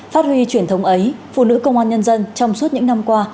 phát huy truyền thống ấy phụ nữ công an nhân dân trong suốt những năm qua